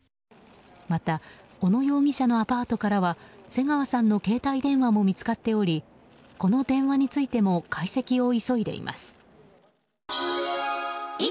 また小野容疑者のアパートからは瀬川さんの携帯電話も見つかっておりこの電話についても解析を急いでいます。